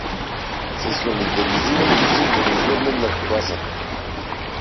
Се солидализирам со сите без оглед на класата.